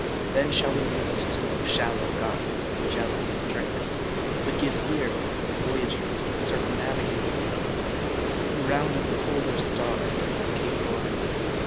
Then shall we list to no shallow gossip of Magellans and Drakes ; but give ear to the voyagers who have circum navigated the Ecliptic ; who rounded the Polar Star as Cape Horn.